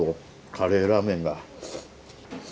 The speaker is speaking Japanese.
カレーラーメンが。